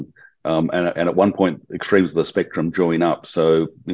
dan pada suatu saat ekstrim spektrum bergabung